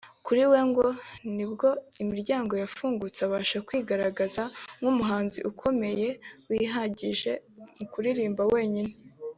Kuri we ngo nibwo imiryango yafungutse abasha kwigaragaza nk’umuhanzi ukomeye wihagije mu kuririmba wenyine